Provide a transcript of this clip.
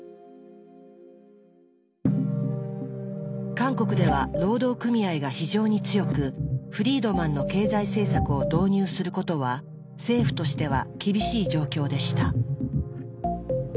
韓国では労働組合が非常に強くフリードマンの経済政策を導入することは政府としては厳しい状況でした。